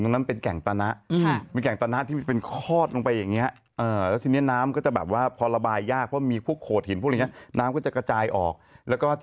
สินะครับคุณไม่ไปสินะครับคุณไม่ไปสินะครับคุณ